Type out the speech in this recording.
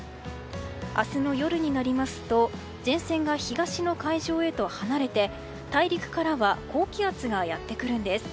明日の夜になりますと前線が東の海上へと離れて大陸からは高気圧がやって来るんです。